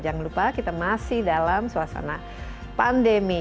jangan lupa kita masih dalam suasana pandemi